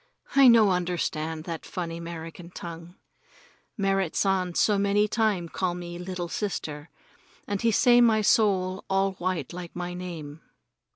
I no understand that funny 'Merican tongue. Merrit San so many time call me little sister, and he say my soul all white like my name.